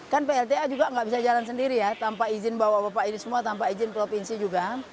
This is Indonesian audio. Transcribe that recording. kan plta juga nggak bisa jalan sendiri ya tanpa izin bawa bapak ini semua tanpa izin provinsi juga